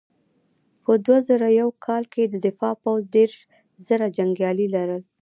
په دوه زره یو کال کې د دفاع پوځ دېرش زره جنګیالي لرل.